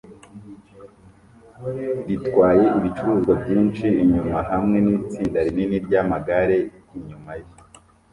ritwaye ibicuruzwa byinshi inyuma hamwe nitsinda rinini ryamagare inyuma ye.